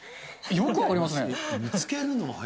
よく分かりますね。